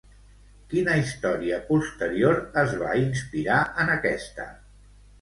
Quina història posterior es va inspirar en aquesta?